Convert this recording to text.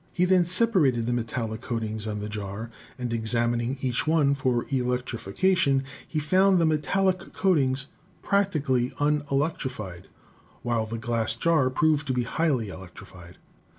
He then sepa rated the metallic coatings and the jar, and examining each one for electrification, he found the metallic coatings prac tically unelectrified, while the glass jar proved to be highly electrified.